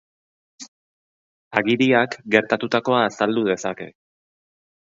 Agiriak gertatutakoa azaldu dezake.